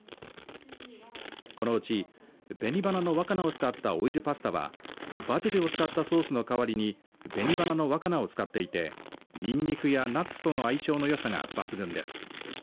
このうち紅花の若菜を使ったオイルパスタはバジルを使ったソースの代わりに紅花の若菜を使っていてにんにくやナッツとの相性のよさが抜群です。